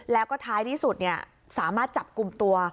แล้วก็ท้ายที่สุดสามารถจับกลุ่มตัว